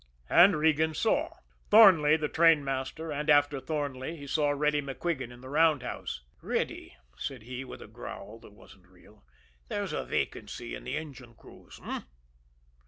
And Regan saw Thornley, the trainmaster. And after Thornley, he saw Reddy MacQuigan in the roundhouse. "Reddy," said he, with a growl that wasn't real, "there's a vacancy in the engine crews h'm?"